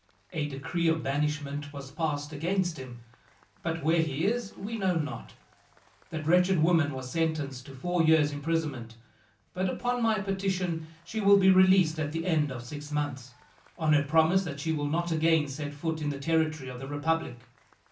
"A decree of banishment was passed against him, but where he is we know not. That wretched woman was sentenced to four years' imprisonment, but upon my petition she will be released at the end of six months, on her promise that she will not again set foot in the territory of the republic.